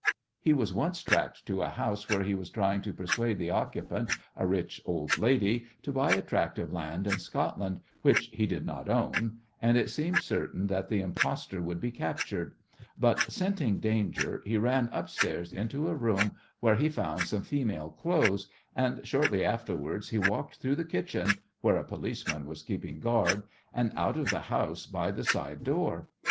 He was once tracked to a house where he was trying to persuade the occupant, a rich old lady, to buy a tract of land in Scotland which he did not own, and it seemed certain that the impostor would be captured, but, scenting danger, he ran upstairs into a room, where he found some female clothes, and shortly afterwards he walked through the kitchen where a policeman was keeping guard and out of the house by the side door.